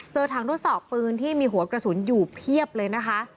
ถังทดสอบปืนที่มีหัวกระสุนอยู่เพียบเลยนะคะ